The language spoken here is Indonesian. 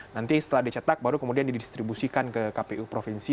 nanti setelah dicetak baru kemudian didistribusikan ke kpu provinsi